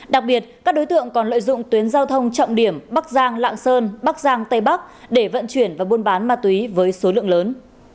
đặc biệt các đối tượng còn lợi dụng tuyến giao thông trọng điểm bắc giang lạng sơn bắc giang tây bắc để vận chuyển và buôn bán ma túy với số lượng lớn